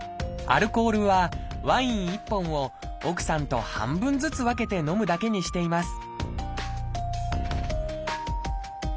アルコールはワイン１本を奧さんと半分ずつ分けて飲むだけにしています